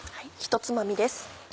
ひとつまみです。